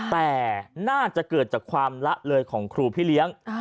แต่น่าจะเกิดจากความละเลยของครูพี่เลี้ยง